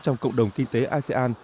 trong cộng đồng kinh tế asean